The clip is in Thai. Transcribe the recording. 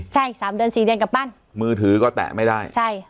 ใช่อีกสามเดือนสี่เดือนกลับบ้านมือถือก็แตะไม่ได้ใช่